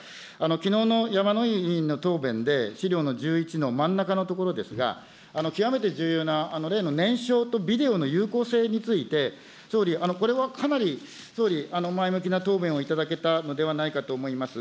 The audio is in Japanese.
きのうのやまのい委員の答弁で、資料の１１の真ん中の所ですが、極めて重要な例の念書とビデオの有効性について、総理、これはかなり総理、前向きな答弁をいただけたのではないかと思います。